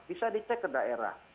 bisa dicek ke daerah